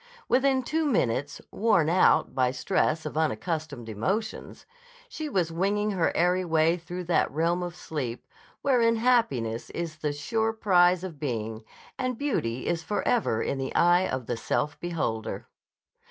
Within two minutes, worn out by stress of unaccustomed emotions, she was winging her airy way through that realm of sleep wherein happiness is the sure prize of being, and beauty is forever in the eye of the self beholder.